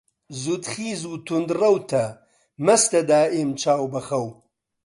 زوودخیز و توند ڕەوتە، مەستە دائیم چاو بە خەو